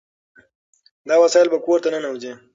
دا وسایل به کور ته ننوځي.